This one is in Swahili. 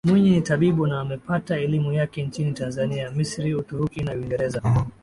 Mwinyi ni tabibu na amepata elimu yake nchini Tanzania Misri Uturuki na Uingereza